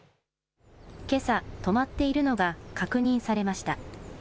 けさ、止まっているのが確認されました。